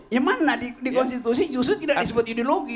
ya mana di konstitusi justru tidak disebut ideologi